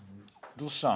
どうしたの？